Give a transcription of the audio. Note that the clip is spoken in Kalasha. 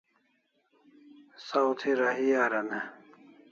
Saw thi rahi aran e?